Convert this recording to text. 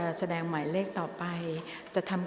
ออกรางวัลเลขหน้า๓ตัวครั้งที่๑ค่ะ